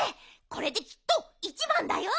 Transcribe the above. これできっといちばんだよ。